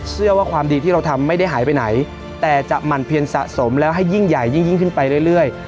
ว่าความดีที่เราทำไม่ได้หายไปไหนแต่จะหมั่นเพียนสะสมแล้วให้ยิ่งใหญ่ยิ่งขึ้นไปเรื่อย